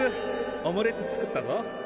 オムレツ作ったぞ。